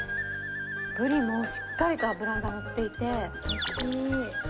ブリもしっかりと脂が乗っていて、おいしいー。